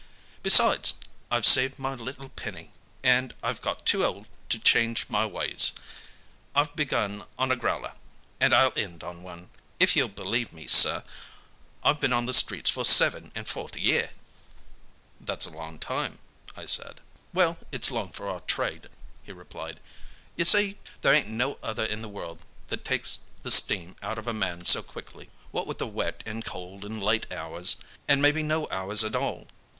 "Besides, I've saved my little penny, and I'm got too old to change my ways. I've begun on a growler, and I'll end on one. If you'll believe me, sir, I've been on the streets for seven and forty year." "That's a long time," I said. "Well, it's long for our trade," he replied. "You see, there ain't no other in the world that takes the steam out of a man so quickly what with wet and cold and late hours, and maybe no hours at all.